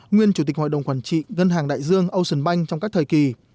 nguyên chủ tịch hội đồng quản trị ngân hàng đại dương ocean bank trong các thời kỳ